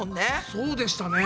そうでしたね。